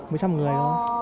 mấy trăm người thôi